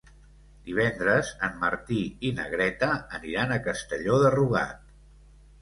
Divendres en Martí i na Greta aniran a Castelló de Rugat.